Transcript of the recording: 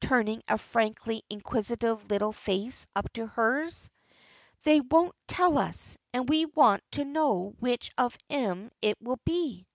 turning a frankly inquisitive little face up to hers. "They wouldn't tell us, and we want to know which of 'em it will be."